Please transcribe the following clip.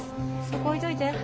そこ置いといて。